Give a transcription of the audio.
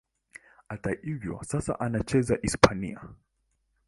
Hata hivyo, sasa anacheza Hispania.